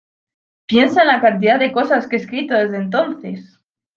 Piensa en la cantidad de cosas que he escrito desde entonces!